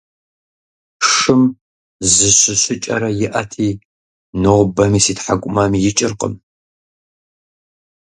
Шым зы щыщыкӀэрэ иӀэти, нобэми си тхьэкӀумэм икӀыркъым…